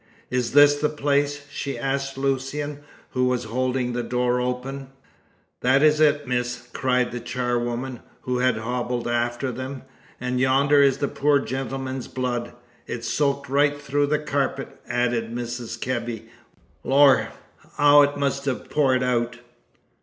"Is this the place?" she asked Lucian, who was holding the door open. "That it is, miss," cried the charwoman, who had hobbled after them, "and yonder is the poor gentleman's blood; it soaked right through the carpet," added Mrs. Kebby, with ghoulish relish. "Lor! 'ow it must 'ave poured out!"